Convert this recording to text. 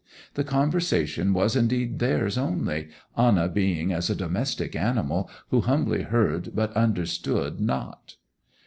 The conversation was indeed theirs only, Anna being as a domestic animal who humbly heard but understood not.